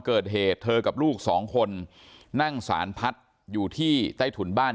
เกิดเหตุเธอกับลูกสองคนนั่งสารพัดอยู่ที่ใต้ถุนบ้าน